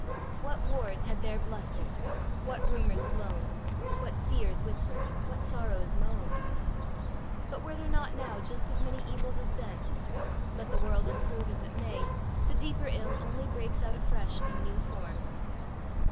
What wars had there blustered, what rumours blown, what fears whispered, what sorrows moaned! But were there not now just as many evils as then? Let the world improve as it may, the deeper ill only breaks out afresh in new forms.